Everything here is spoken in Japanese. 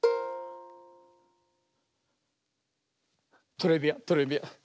トレビアントレビアン。